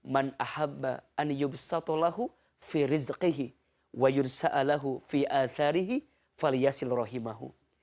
man ahabba an yubsatulahu fi rizqihi wa yursa'alahu fi atharihi fal yasilrohimahu